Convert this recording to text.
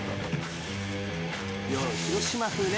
広島風ね。